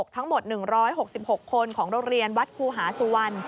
ทั้งหมด๑๖๖คนของโรงเรียนวัดครูหาสุวรรณ